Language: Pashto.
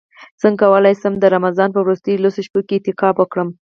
څنګه کولی شم د رمضان په وروستیو لسو شپو کې اعتکاف وکړم